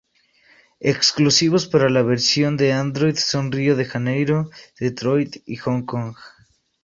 Exclusivos para la versión de Android son Rio de Janeiro, Detroit y Hong Kong.